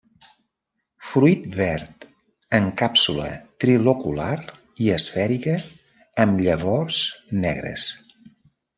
Fruit verd en càpsula trilocular i esfèrica, amb llavors negres.